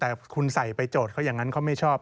แต่คุณใส่ไปโจทย์เขาอย่างนั้นเขาไม่ชอบ